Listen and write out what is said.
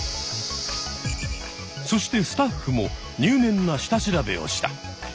そしてスタッフも入念な下調べをした。